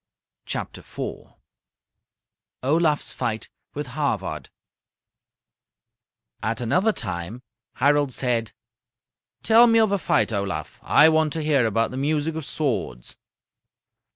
Olaf's Fight With Havard At another time Harald said: "Tell me of a fight, Olaf. I want to hear about the music of swords."